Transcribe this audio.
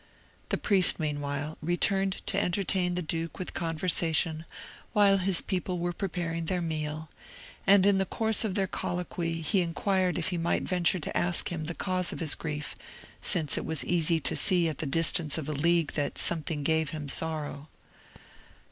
The priest, meanwhile, returned to entertain the duke with conversation while his people were preparing their meal; and in the course of their colloquy he inquired if he might venture to ask him the cause of his grief, since it was easy to see at the distance of a league that, something gave him sorrow.